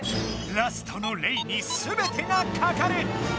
ラストのレイにすべてがかかる！